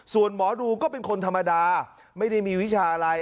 ส่วนหมอดูก็เป็นคนธรรมดาไม่ได้มีวิชาอะไร